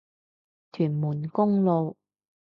屯門公路